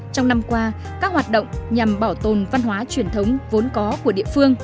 trong năm qua các hoạt động nhằm bảo tồn văn hóa truyền thống vốn có của địa phương